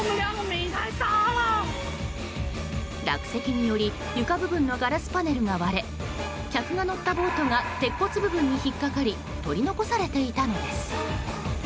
落石により床部分のガラスパネルが割れ客が乗ったボートが鉄骨部分に引っ掛かり取り残されていたのです。